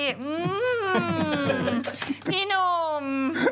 พี่นม